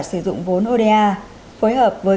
sử dụng vốn oda phối hợp với